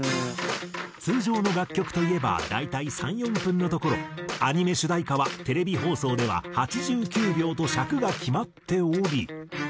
通常の楽曲といえば大体３４分のところアニメ主題歌はテレビ放送では８９秒と尺が決まっており。